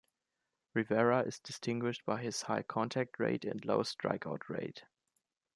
Rivera is distinguished by his high contact rate and low strikeout rate.